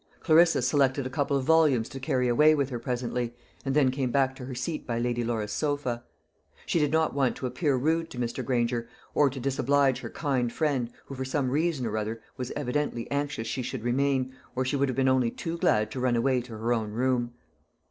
Clarissa selected a couple of volumes to carry away with her presently, and then came back to her seat by Lady Laura's sofa. She did not want to appear rude to Mr. Granger, or to disoblige her kind friend, who for some reason or other was evidently anxious she should remain, or she would have been only too glad to run away to her own room.